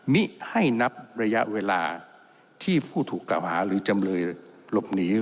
มิให้นับระยะเวลาที่ผู้ถูกกล่าวหาหรือจำเลยหลบหนี